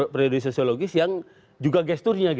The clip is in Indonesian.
pre doi sosiologis yang juga gesturnya